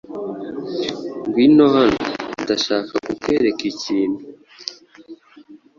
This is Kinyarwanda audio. Ngwino hano, Ndashaka kukwereka ikintu.